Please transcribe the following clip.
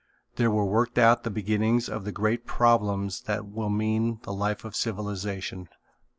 There were worked out the beginnings of the great problems that will mean the life of civilization.